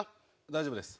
大丈夫です。